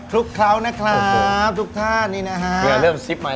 คลุกเขานะครับทุกท่านนี่นะฮะเริ่มคิดมา